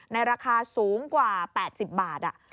ราคาสูงกว่า๘๐บาท